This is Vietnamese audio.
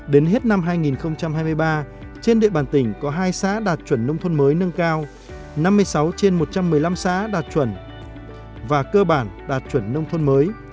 đến hết năm hai nghìn hai mươi ba trên địa bàn tỉnh có hai xã đạt chuẩn nông thôn mới nâng cao năm mươi sáu trên một trăm một mươi năm xã đạt chuẩn và cơ bản đạt chuẩn nông thôn mới